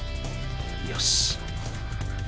よし